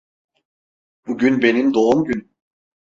Bugün benim doğum günüm.